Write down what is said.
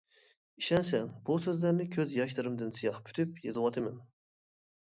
ئىشەنسەڭ، بۇ سۆزلەرنى كۆز ياشلىرىمدىن سىياھ پۈتۈپ يېزىۋاتىمەن.